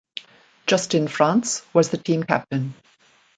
Justin Frantz was the team captain.